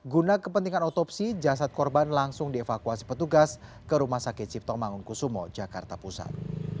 guna kepentingan otopsi jasad korban langsung dievakuasi petugas ke rumah sakit cipto mangunkusumo jakarta pusat